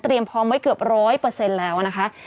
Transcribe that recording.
พร้อมไว้เกือบ๑๐๐แล้วนะคะ